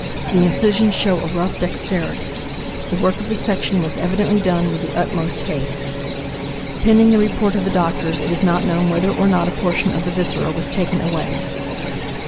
The incisions show a rough dexterity. The work of dissection was evidently done with the upmost haste. Pending the report of the doctors it is not known whether or not a portion of the viscera was taken away.